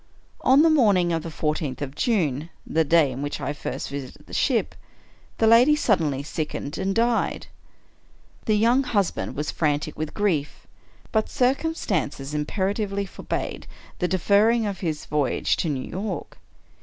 On the morning of the fourteenth of June (the day in which I first visited the ship), the lady suddenly sick ened and died. The young husband was frantic with grief — but circumstances imperatively forbade the deferring his 123 American Mystery Stories voyage to New York.